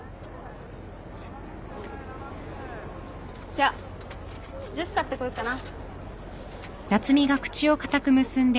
じゃあジュース買ってこよっかな。